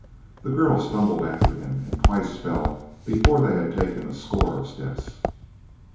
The girl stumbled after him and twice fell before they had taken a score of steps.